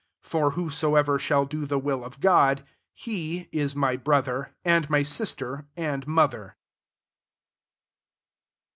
i35 For whosoever shall do the will of God, he is my brother, and my sister, and mother.''